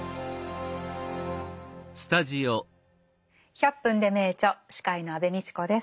「１００分ｄｅ名著」司会の安部みちこです。